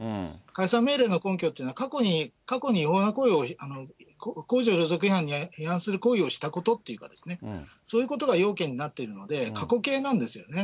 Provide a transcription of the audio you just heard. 解散命令の根拠というのは、過去に違法な行為を、公序良俗違反に当たる行為をしたことというか、そういうことが要件になっているので、過去形なんですよね。